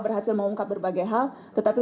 berhasil mengungkap berbagai hal tetapi